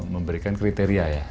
memberikan kriteria ya